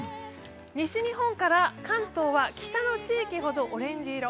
西日本から関東は北の地域ほどオレンジ色。